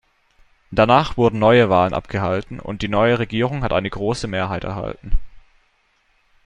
Danach wurden neue Wahlen abgehalten, und die neue Regierung hat eine große Mehrheit erhalten.